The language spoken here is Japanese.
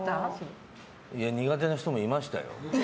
苦手な人もいましたよ。